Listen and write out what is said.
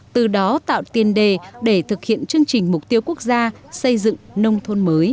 từ đó tạo tiền đề để thực hiện chương trình mục tiêu quốc gia xây dựng nông thôn mới